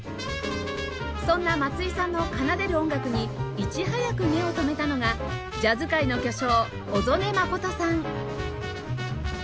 そんな松井さんの奏でる音楽にいち早く目を留めたのがジャズ界の巨匠小曽根真さん